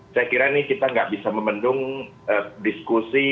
saya kira ini kita nggak bisa memendung diskusi